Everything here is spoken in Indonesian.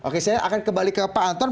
oke saya akan kembali ke pak anton